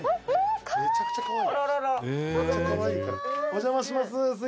「お邪魔します。